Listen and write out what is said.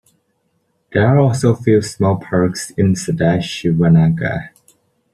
There are also a few small parks in Sadashivanagar.